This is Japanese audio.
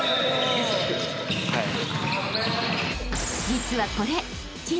［実はこれ］